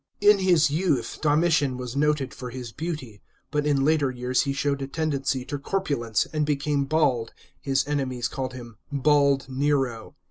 § 21. In his youth Domitian was noted for his beauty ; but in later years he showed a tendency to corpulence, and became bald (his enemies called him '* bald Nero